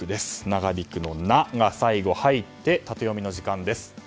長引くの「ナ」が最後入ってタテヨミの時間です。